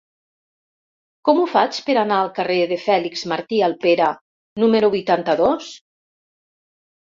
Com ho faig per anar al carrer de Fèlix Martí Alpera número vuitanta-dos?